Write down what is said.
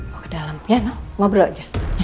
mau ke dalam ya no mau berdua aja